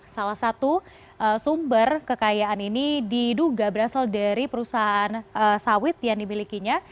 salah satu sumber kekayaan ini diduga berasal dari perusahaan sawit yang dimilikinya